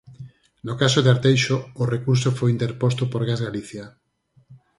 No caso de Arteixo, o recurso foi interposto por Gas Galicia.